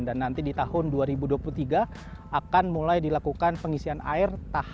dan nanti di tahun dua ribu dua puluh tiga akan mulai dilakukan pengisian air tahap awal